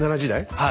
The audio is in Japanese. はい。